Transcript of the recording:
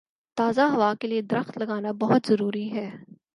تازہ ہوا کے لیے درخت لگانا بہت ضروری ہے۔